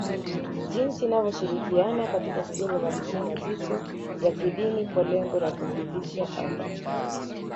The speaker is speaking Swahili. jinsi inavyoshirikiana katika kubeba majukumu mazito ya kidini kwa lengo la kumridhisha Allah